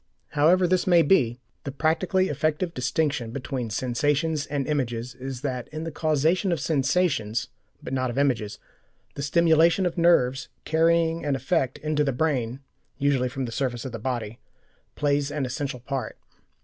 However this may be, the practically effective distinction between sensations and images is that in the causation of sensations, but not of images, the stimulation of nerves carrying an effect into the brain, usually from the surface of the body, plays an essential part.